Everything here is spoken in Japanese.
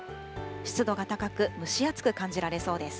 湿度が高く、蒸し暑く感じられそうです。